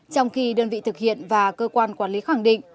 trong khi đơn vị thực hiện và cơ quan quản lý khẳng định